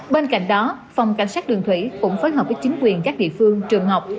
bên cạnh đó phòng cảnh sát đường thủy cũng phối hợp với chính quyền các địa phương trường học